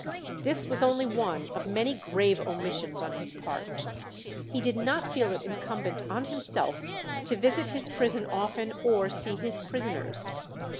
This was only one of many grave omissions on his part. He did not feel it incumbent on himself to visit his prison often or see his prisoners.